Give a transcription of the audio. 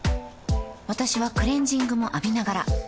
私はクレジングも浴びながら